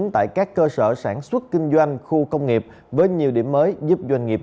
tại các cơ sở sản xuất kinh doanh khu công nghiệp với nhiều điểm mới giúp doanh nghiệp